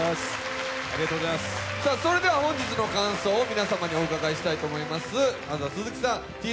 本日の感想を皆様にお伺いしたいと思います。